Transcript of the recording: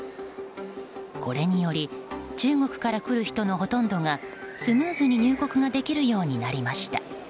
これにより中国から来る人のほとんどがスムーズに入国ができるようになりました。